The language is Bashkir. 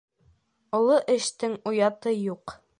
Оло эштең ояты юҡ.